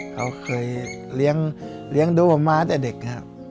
เขาเคยเลี้ยงดูผมมาแต่เด็กนะครับ